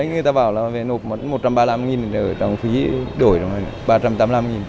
người ta bảo là về nộp mất một trăm ba mươi năm đồng phí đổi rồi